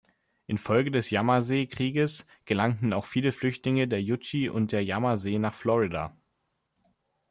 Infolge des Yamasee-Krieges gelangten auch viele Flüchtlinge der Yuchi und der Yamasee nach Florida.